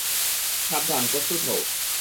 সাবধান প্রস্তুত হও।